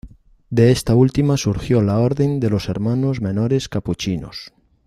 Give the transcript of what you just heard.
De esta última surgió la Orden de los Hermanos Menores Capuchinos.